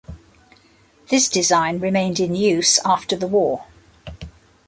This design remained in use after the war.